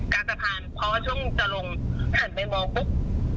กลางสะพานเพราะว่าช่วงจะลงหันไปมองปุ๊บ